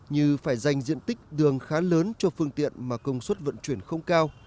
như phải dành diện tích đường khá lớn cho phương tiện mà công suất vận chuyển không cao